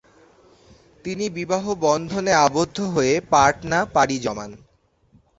তিনি বিবাহবন্ধনে আবদ্ধ হয়ে পাটনা পাড়ি জমান।